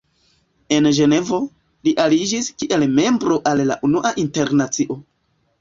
En Ĝenevo, li aliĝis kiel membro al la Unua Internacio.